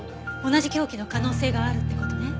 同じ凶器の可能性があるって事ね。